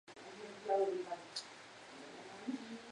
Es catequista en la parroquia.